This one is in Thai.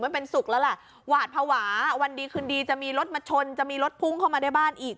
พอคุณเล่าแบบนี้